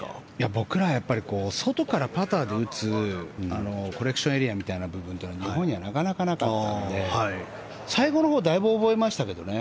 僕らは外からパターで打つコレクションエリアという部分は日本にはなかなかなかったので最後のほうだいぶ覚えましたけどね。